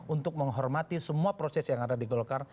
untuk menghormati semua proses yang ada di golkar